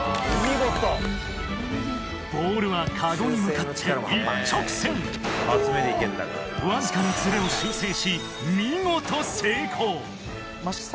ボールはかごに向かって一直線わずかなズレを修正し見事成功！